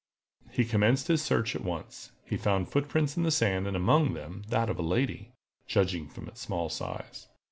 He commenced his search at once. He found footprints in the sand, and among them that of a lady, judging from its small size.